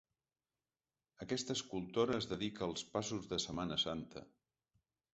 Aquesta escultora es dedica als passos de Setmana Santa.